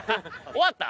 終わった？